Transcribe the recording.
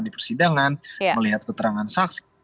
di persidangan melihat keterangan saksi